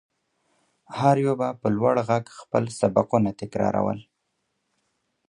هر يوه به په لوړ غږ خپل سبقونه تکرارول.